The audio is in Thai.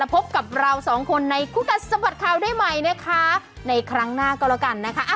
พบกับเราสองคนในคู่กัดสะบัดข่าวได้ใหม่นะคะในครั้งหน้าก็แล้วกันนะคะ